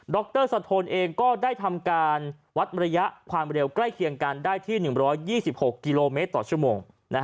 รสะทนเองก็ได้ทำการวัดระยะความเร็วใกล้เคียงกันได้ที่๑๒๖กิโลเมตรต่อชั่วโมง